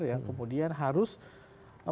yang kemudian harus mempermainkan